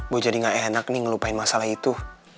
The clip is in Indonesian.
gue jadi gak enak nih ngelupain masalah itu